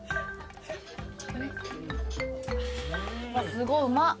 すごいうまっ。